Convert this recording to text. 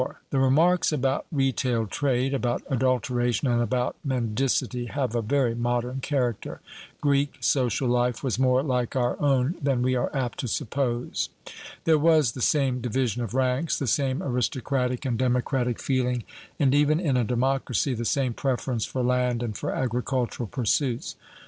The remarks about retail trade, about adulteration, and about mendicity, have a very modern character. Greek social life was more like our own than we are apt to suppose. There was the same division of ranks, the same aristocratic and democratic feeling, and, even in a democracy, the same preference for land and for agricultural pursuits.